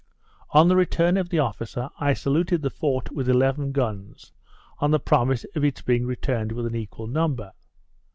On the return of the officer, I saluted the fort with eleven guns, on a promise of its being returned with an equal number.